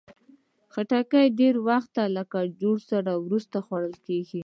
خټکی ډېر وخت له کجورو وروسته خوړل کېږي.